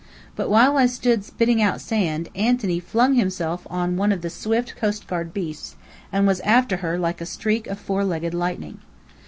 But while I stood spitting out sand, Anthony flung himself onto one of the swift coastguard beasts, and was after her like a streak of four legged lightning.